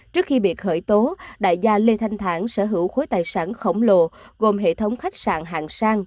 trước khi bị khởi tố đại gia lê thanh thản sở hữu khối tài sản khổng lồ gồm hệ thống khách sạn hàng sang